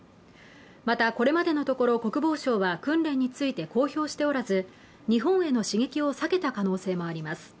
また、これまでのところ、国防省は訓練について公表しておらず、日本への刺激を避けた可能性もあります。